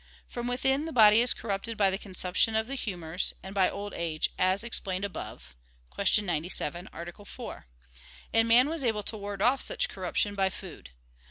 From within, the body is corrupted by the consumption of the humors, and by old age, as above explained (Q. 97, A. 4), and man was able to ward off such corruption by food.